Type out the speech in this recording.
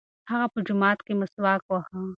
هغه په جومات کې مسواک واهه.